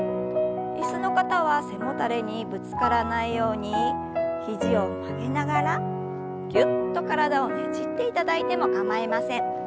椅子の方は背もたれにぶつからないように肘を曲げながらぎゅっと体をねじっていただいても構いません。